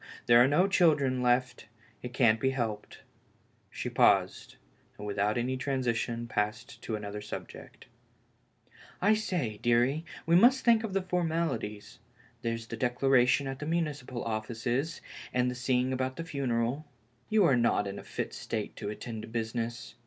there are no children left — it can't be helped.'^ She paused, and without any transition passed to another subject. I say, deary, we must think of the formalities — there's the declaration at the municipal offices, and the seeing about the funeral. You are not in a fit state to attend to business.